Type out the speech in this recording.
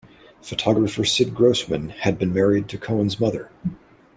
Photographer Sid Grossman had been married to Cohen's mother.